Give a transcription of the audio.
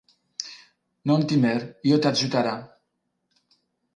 Non timer, io te adjutara!